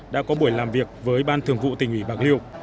đã có buổi làm việc với ban thường vụ tỉnh ủy bạc liêu